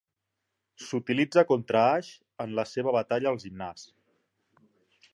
S'utilitza contra Ash en la seva batalla al gimnàs.